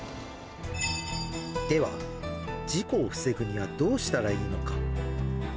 では事故を防ぐにはどうしたらいいのか。